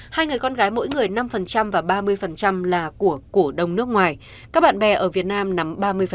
hai người con gái mỗi người năm và ba mươi là của cổ đông nước ngoài các bạn bè ở việt nam nắm ba mươi